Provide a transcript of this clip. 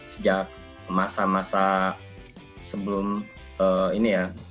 sejak masa masa sebelum ini ya